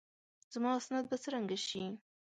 زما اسناد به څرنګه شي؟